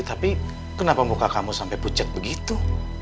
tapi kenapa muka kamu sampe pucat begitu